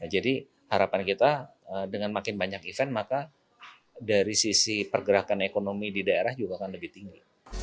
jadi harapan kita dengan makin banyak event maka dari sisi pergerakan ekonomi di daerah juga akan lebih tinggi